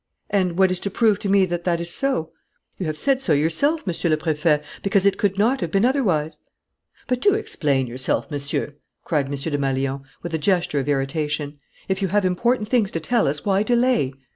"And what is to prove to me that that is so?" "You have said so yourself, Monsieur le Préfet: because it could not have been otherwise." "But do explain yourself, Monsieur!" cried M. Desmalions, with a gesture of irritation. "If you have important things to tell us, why delay?"